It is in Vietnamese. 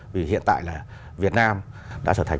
vì hiện tại là việt nam đã trở thành